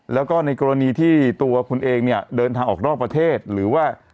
แล้วก็ในกรณีที่ตัวคุณเองเนี่ยเดินทางออกนอกประเทศหรือว่า